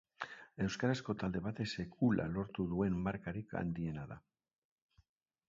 Euskarazko talde batek sekula lortu duen markarik handiena da.